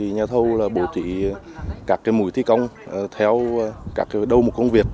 nhà thâu bổ trị các mũi thi công theo các đầu mục công việc